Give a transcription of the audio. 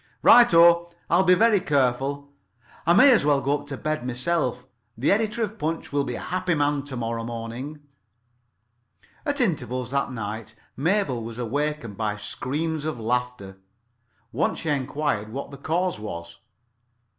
"Right o. I'll be very careful. I may as well come [Pg 8]up to bed myself. The editor of Punch will be a happy man to morrow morning." At intervals that night Mabel was awakened by screams of laughter. Once she enquired what the cause was.